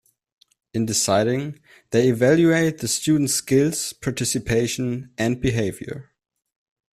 In deciding, they evaluate the student's skills, participation, and behaviour.